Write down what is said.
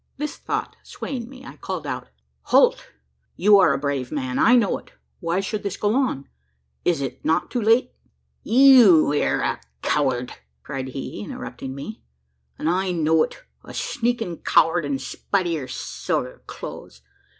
This thought swaying me, I called out: "Holt! you are a brave man. I know it. Why should this go on? It is not too late " "You air a coward!" cried he, interrupting me, "an' I know it a sneakin' coward, in spite o' yur soger clothes!